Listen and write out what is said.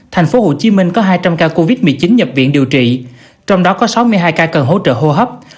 tp hcm có hai trăm linh ca covid một mươi chín nhập viện điều trị trong đó có sáu mươi hai ca cần hỗ trợ hô hấp